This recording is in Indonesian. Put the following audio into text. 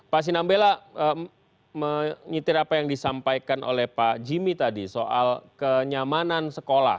pak sinambela mengitir apa yang disampaikan oleh pak jimmy tadi soal kenyamanan sekolah